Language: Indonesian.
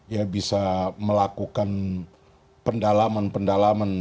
ya bisa melakukan pendalaman pendalaman